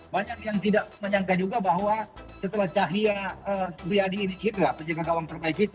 banyak yang tidak menyangka juga bahwa setelah cahia okendok phil degli edicira pendadak gawang terbaik kita